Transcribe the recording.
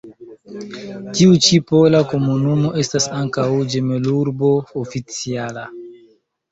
Tiu ĉi pola komunumo estas ankaŭ ĝemelurbo oficiala.